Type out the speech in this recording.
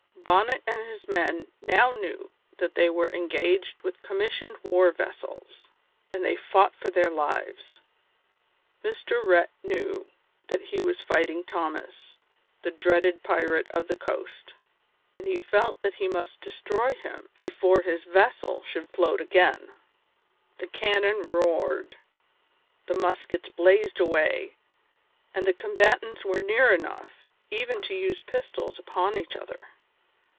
Bonnet and his men now knew that they were engaged with commissioned war vessels, and they fought for their lives. Mr. Rhett knew that he was fighting Thomas, the dreaded pirate of the coast, and he felt that he must destroy him before his vessel should float again. The cannon roared, muskets blazed away, and the combatants were near enough even to use pistols upon each other.